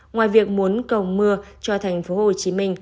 ngoài việc muốn cầu mưa cho tp hcm